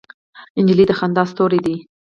نجلۍ د خندا ستورې ده.